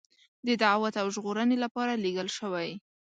د دعوت او ژغورنې لپاره لېږل شوی.